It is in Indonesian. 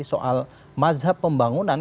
soal mazhab pembangunan